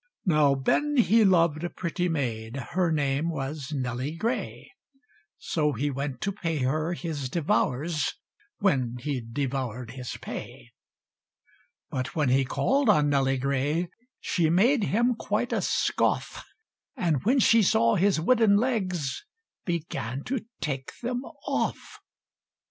Now Ben he loved a pretty maid, Her name was Nelly Gray; So he went to pay her his devours, When he'd devour'd his pay! But when he called on Nelly Gray, She made him quite a scoff; And when she saw his wooden legs, Began to take them off!